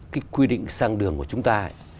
cái quy định sang đường của chúng ta